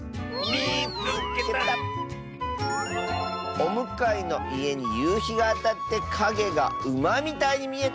「おむかいのいえにゆうひがあたってかげがうまみたいにみえた！」。